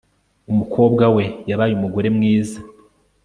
Umukobwa we yabaye umugore mwiza